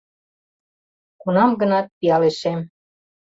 Кунам-гынат пиалешем